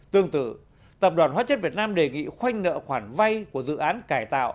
tương tự tập đoàn hóa chất việt nam đề nghị khoanh nợ khoản vay của dự án cải tạo